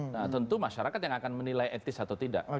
nah tentu masyarakat yang akan menilai etis atau tidak